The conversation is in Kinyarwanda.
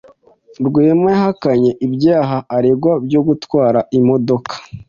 Rwema yahakanye ibyaha aregwa byo gutwara imodoka